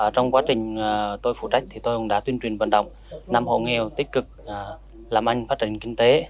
trong quá trình tôi phụ trách tôi cũng đã tuyên truyền vận động năm hộ nghèo tích cực làm anh phát triển kinh tế